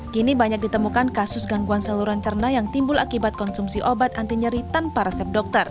kini banyak ditemukan kasus gangguan saluran cerna yang timbul akibat konsumsi obat anti nyeri tanpa resep dokter